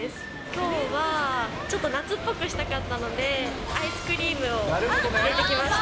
きょうはちょっと夏っぽくしたかったので、アイスクリームを入れてきました。